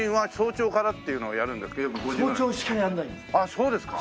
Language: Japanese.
そうですか。